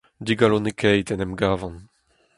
Digalonekaet en em gavan.